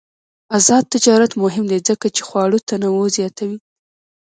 آزاد تجارت مهم دی ځکه چې خواړه تنوع زیاتوي.